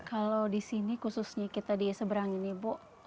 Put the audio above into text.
kalau di sini khususnya kita di seberang ini bu